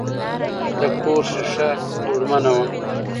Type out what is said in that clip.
د کور شیشه دوړمنه وه.